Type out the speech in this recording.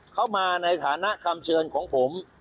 เข้ามาในฐานะคำเชิญของผม